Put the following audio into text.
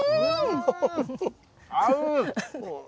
合う！